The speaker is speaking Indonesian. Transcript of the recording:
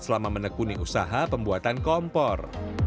selama menekuni usaha pembuatan kompor